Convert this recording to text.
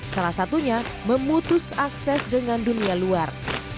salah satunya memutus akses dengan dunia luar